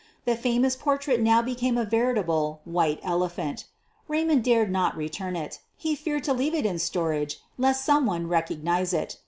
The famous portrait now became a veritable " white ele phant.' ' Eaymond dared not return it — he feared 'to leave it in storage lest some one recognize it.